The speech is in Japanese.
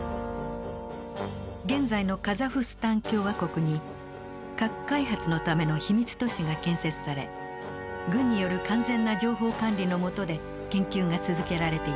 現在のカザフスタン共和国に核開発のための秘密都市が建設され軍による完全な情報管理のもとで研究が続けられていました。